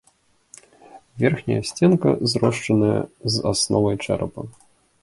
Верхняя сценка зрошчаныя з асновай чэрапа.